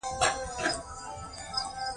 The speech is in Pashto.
تواب يو کتاب ور واخيست.